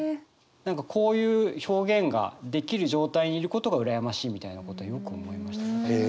何かこういう表現ができる状態にいることが羨ましいみたいなことはよく思いましたね。